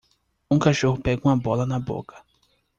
Um cachorro pega uma bola na boca.